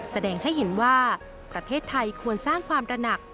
แสดงให้เห็นว่าประเทศไทยควรสร้างความระหนัก